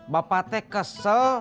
bapak t kesel